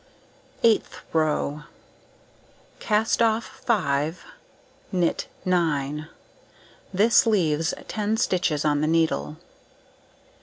Eighth row: Cast off 5, knit 9. This leaves 10 stitches on the needle.